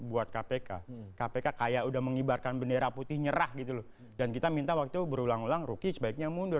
buat kpk kpk kayak udah mengibarkan bendera putih nyerah gitu loh dan kita minta waktu berulang ulang ruki sebaiknya mundur